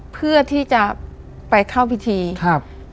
เพื่อที่จะไปเข้าพิธีครับ